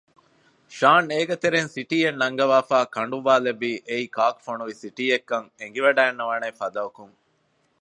ޝާން އޭގެތެރޭން ސިޓީއެއް ނަންގަވާފައި ކަނޑުއްވާލެއްވީ އެއީ ކާކު ފޮނުވި ސިޓީއެއްކަން އެނގިވަޑައިގަންނަވާ ފަދައަކުން